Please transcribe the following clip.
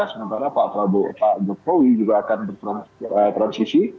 sementara pak jokowi juga akan berprosisi